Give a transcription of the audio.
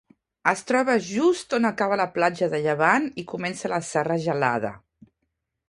Es troba just on acaba la platja de Llevant i comença la Serra Gelada.